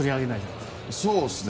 そうですね。